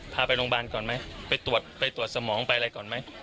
พาไปโรงพยาบาลก่อนไหมไปตรวจไปตรวจสมองไปอะไรก่อนไหม